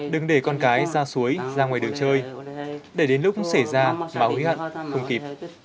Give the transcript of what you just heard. đừng để con cái ra suối ra ngoài đường chơi để đến lúc xảy ra mà hối hận không kịp